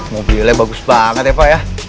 mobilnya bagus banget ya pak ya